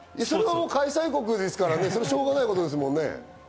開催国ですからね、しょうがないですもんね。